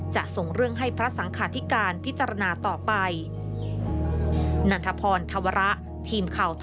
ส่งเรื่องให้พระสังขาธิการพิจารณาต่อไป